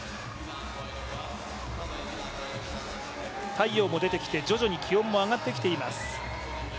太陽も出てきて、徐々に気温も上がってきています。